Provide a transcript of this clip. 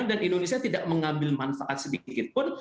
dan indonesia tidak mengambil manfaat sedikitpun